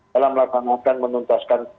dalam langkah langkah menuntaskan